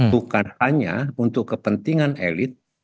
bukan hanya untuk kepentingan elit